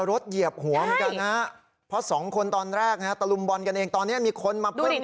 รถเหยียบหัวเหมือนกันนะฮะเพราะสองคนตอนแรกธรุมบอลกันเองตอนเนี้ยมีคนมาเพิ่มเติมแล้วนะฮะ